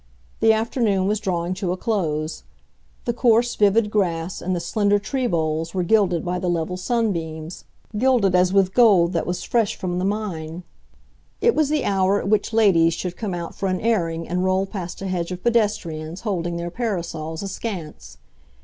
The afternoon was drawing to a close; the coarse, vivid grass and the slender tree boles were gilded by the level sunbeams—gilded as with gold that was fresh from the mine. It was the hour at which ladies should come out for an airing and roll past a hedge of pedestrians, holding their parasols askance.